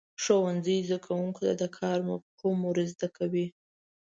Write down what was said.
ښوونځی زده کوونکو ته د کار مفهوم ورزده کوي.